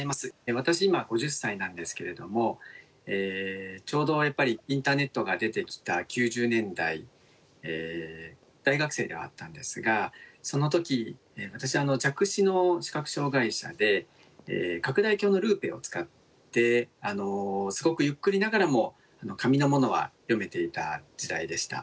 私今５０歳なんですけれどもちょうどやっぱりインターネットが出てきた９０年代大学生ではあったんですがその時私弱視の視覚障害者で拡大鏡のルーペを使ってすごくゆっくりながらも紙のものは読めていた時代でした。